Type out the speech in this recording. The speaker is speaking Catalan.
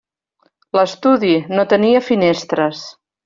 L'estudi no tenia finestres.